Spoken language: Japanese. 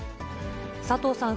佐藤さん